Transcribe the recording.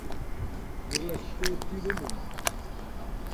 Búrlaste ti de min?